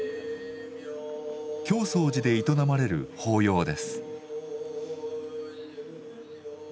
教宗寺で営まれる法要です。